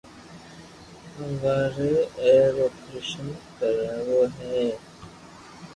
ھواري اي رو آپريݾن ڪراوہ ھي